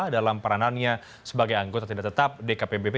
dalam peranannya sebagai anggota tidak tetap dkpbp